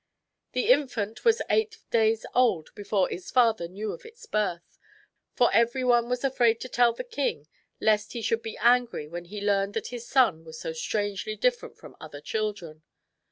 The infant was eight days old before its father knew of its birth. For every one was afraid to tell the king lest he should be angry when he learned that his son was so strangely different from other children.